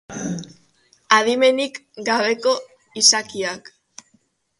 Adimenik gabeko izakiak.